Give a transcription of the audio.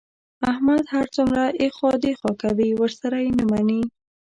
احمد هر څومره ایخوا دیخوا کوي، ورسره یې نه مني.